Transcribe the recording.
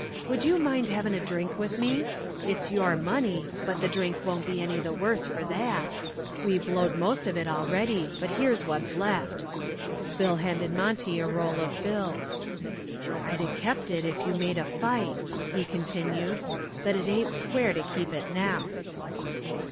Would you mind havin' a drink with me? It's your money, but the drink won't be any the worse for that. We blowed most of it already, but here's what's left." Bill handed Monty a roll of bills. "I'd a kept it if you'd made a fight," he continued, "but it ain't square to keep it now."